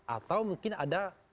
atau mungkin ada